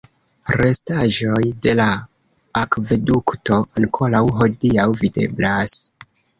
Restaĵoj de la akvedukto ankoraŭ hodiaŭ videblas.